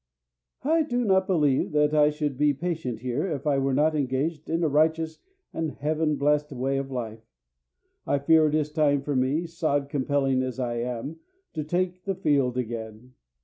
"I do not believe that I should be patient here if I were not engaged in a righteous and heaven blessed way of life. I fear it is time for me, sod compelling as I am, to take the field again.